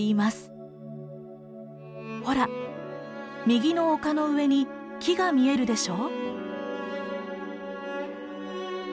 ほら右の丘の上に木が見えるでしょう。